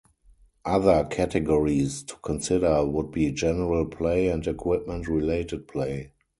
Other categories to consider would be general play and equipment related play.